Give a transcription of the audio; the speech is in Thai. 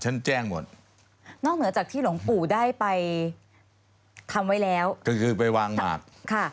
นอกเหนือจากที่หลงปู่ได้ไปทำไว้แล้วก็คือไปวางหมาก